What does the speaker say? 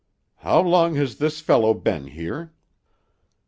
How long has this fellow been here?"